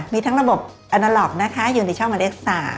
มีทั้งระบบอันโลกนะคะอยู่ในช่องหมายเลข๓